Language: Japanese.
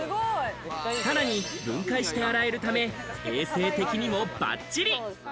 さらに分解して洗えるため、衛生的にもばっちり。